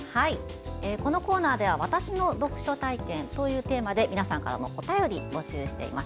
このコーナーでは「わたしの読書体験」というテーマで皆さんからのお便りを募集しています。